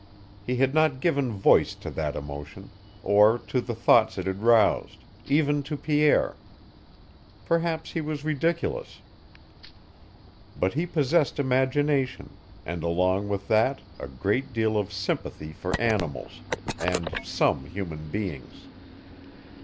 He had not given voice to that emotion, or to the thoughts it had roused, even to Pierre. Perhaps he was ridiculous. But he possessed imagination, and along with that a great deal of sympathy for animals and some human beings.